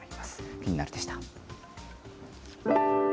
キニナル！でした。